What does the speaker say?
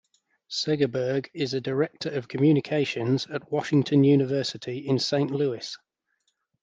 Segerberg is a Director of Communications at Washington University in Saint Louis.